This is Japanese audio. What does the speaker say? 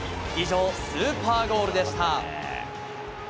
以上、スーパーゴールでした。